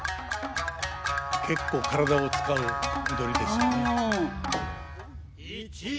結構体を使う踊りですよね。